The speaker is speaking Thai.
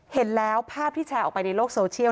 เห็นแล้วภาพที่แชร์ออกไปในโลกโซเชียล